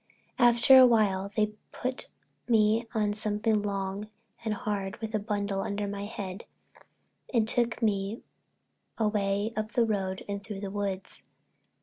After a while they put me on something long and hard with a bundle under my head and took me away up the road and through the woods.